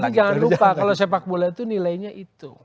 jadi jangan lupa kalau sepak bola itu nilainya itu